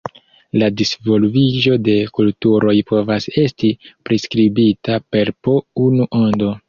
La disvolviĝo de kulturoj povas esti priskribita per po unu ondo.